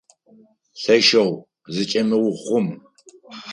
Лъэшэу зычӏэмыухъум!